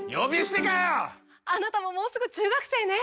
あなたももうすぐ中学生ね！